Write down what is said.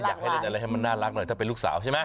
อยากให้เล่นอะไรให้มันน่ารักหน่อยถ้าเป็นลูกสาวใช่ไหม